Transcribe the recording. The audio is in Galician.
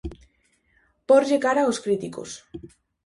Pórlle cara aos críticos.